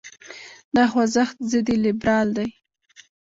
دا خوځښت ضد لیبرال دی.